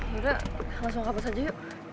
yaudah langsung kabut aja yuk